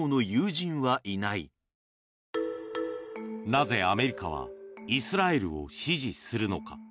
なぜアメリカはイスラエルを支持するのか。